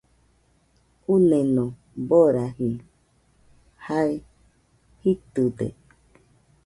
Uneno baraji, jea jitɨde